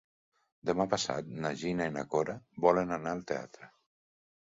Demà passat na Gina i na Cora volen anar al teatre.